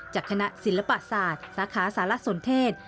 จากคณะศิลปศาสตร์สาขาสารสนเทศ